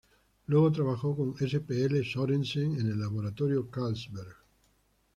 Luego trabajó con S. P. L. Sørensen en el Laboratorio Carlsberg.